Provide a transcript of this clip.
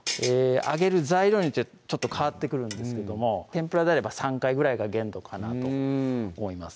揚げる材料によって変わってくるんですけども天ぷらであれば３回ぐらいが限度かなと思います